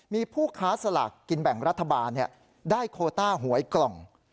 มีผู้ค้าสลากกินแบ่งรัฐบาลได้โคต้าหวยกล่อง